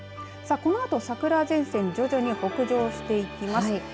このあと、桜前線徐々に北上していきます。